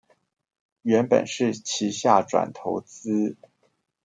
原本是旗下轉投資